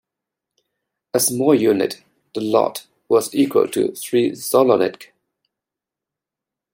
A smaller unit, the lot, was equal to three zolotnik.